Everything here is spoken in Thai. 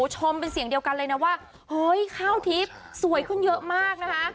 ชมเป็นเสียงเดียวกันเลยนะว่าเฮ้ยข้าวทิพย์สวยขึ้นเยอะมากนะคะ